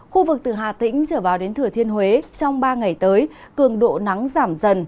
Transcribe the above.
khu vực từ hà tĩnh trở vào đến thừa thiên huế trong ba ngày tới cường độ nắng giảm dần